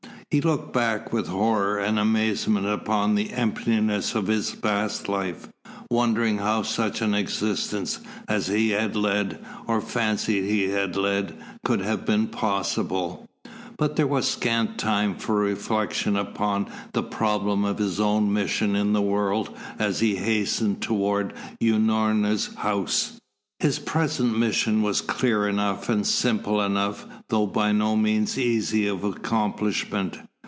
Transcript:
He looked back with horror and amazement upon the emptiness of his past life, wondering how such an existence as he had led, or fancied he had led, could have been possible. But there was scant time for reflection upon the problem of his own mission in the world as he hastened towards Unorna's house. His present mission was clear enough and simple enough, though by no means easy of accomplishment.